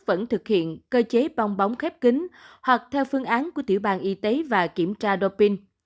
vẫn thực hiện cơ chế bong bóng khép kính hoặc theo phương án của tiểu bàn y tế và kiểm tra dopin